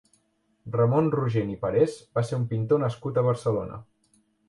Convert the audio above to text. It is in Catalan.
Ramon Rogent i Perés va ser un pintor nascut a Barcelona.